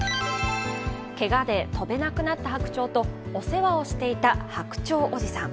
けがで飛べなくなった白鳥とお世話をしていた白鳥おじさん。